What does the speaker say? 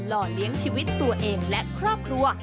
ห่อเลี้ยงชีวิตตัวเองและครอบครัว